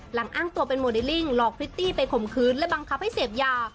อ้างตัวเป็นโมเดลลิ่งหลอกพริตตี้ไปข่มขืนและบังคับให้เสพยา